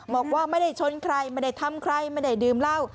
บอกว่าไม่ได้ชนใครไม่ได้ทำใครไม่ได้ดื่มเหล้า